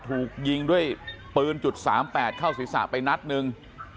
ถูกยิงด้วยปืน๓๘เข้าศีรษะไปนัดหนึ่ง